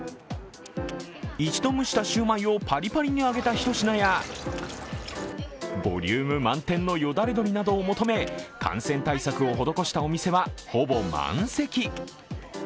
一度蒸したシューマイをパリパリに揚げた一品やボリューム満点のよだれ鶏などを求め感染対策を施したお店はほぼ満席。